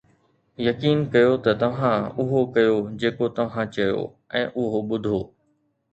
يقين ڪيو ته توهان اهو ڪيو جيڪو توهان چيو ۽ اهو ٻڌو